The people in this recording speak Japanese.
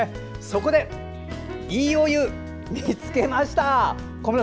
そこで「＃いいお湯見つけました」。